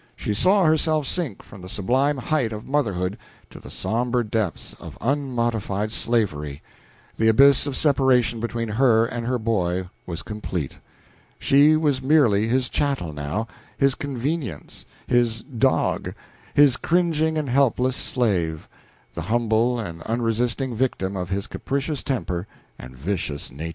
She saw herself sink from the sublime height of motherhood to the somber depths of unmodified slavery. The abyss of separation between her and her boy was complete. She was merely his chattel, now, his convenience, his dog, his cringing and helpless slave, the humble and unresisting victim of his capricious temper and vicious nature.